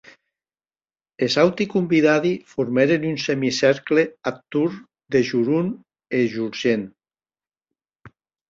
Es auti convidadi formèren un semicercle ath torn de Jorun e Jorgen.